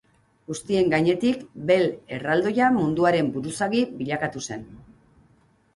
Guztien gainetik Bel erraldoia munduaren buruzagi bilakatu zen.